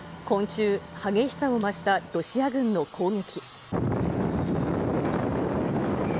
今週、激しさを増したロシア軍の攻撃。